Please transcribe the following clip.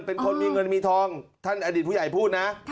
เป็นคนมีเงินมีทองท่านอดีตผู้ใหญ่พูดนะ